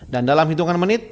dan dalam hitungan menit